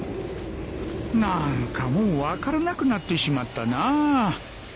何かもう分からなくなってしまったなぁ